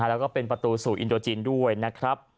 แล้วก็เป็นประตูสู่อินโดจีนด้วยนะครับ